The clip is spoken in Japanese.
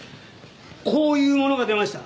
こういうものが出ました。